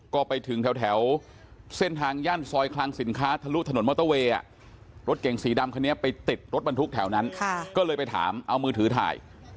ก็ไปถึงแถวเส้นทางย่านซอยคลังสินค้า